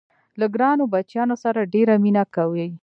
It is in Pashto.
له ګرانو بچیانو سره ډېره مینه کوي.